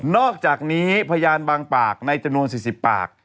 อกจากนี้พยานบางปากในจำนวน๔๐ปาก